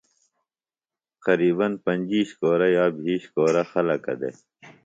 قرِباً پنجِیش کورہ یا بھیش کورہ خلَکہ دےۡ